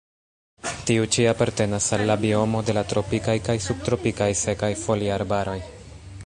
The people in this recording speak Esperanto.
Tiu ĉi apartenas al la biomo de la tropikaj kaj subtropikaj sekaj foliarbaroj.